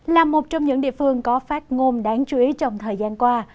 là một trong những địa phương có phát ngôn đáng chú ý trong thời gian qua